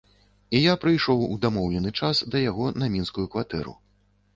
І я прыйшоў у дамоўлены час да яго на мінскую кватэру.